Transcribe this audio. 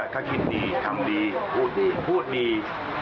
ถ้าคิดดีทำดีพูดดี